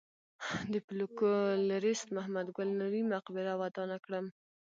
د فولکلوریست محمد ګل نوري مقبره ودانه کړم.